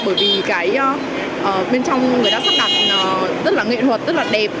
bởi vì cái bên trong người ta sắp đặt rất là nghệ thuật rất là đẹp